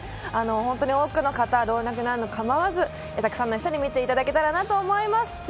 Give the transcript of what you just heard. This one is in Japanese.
本当に多くの方、老若男女問わずたくさんの人に見ていただけたらなと思います。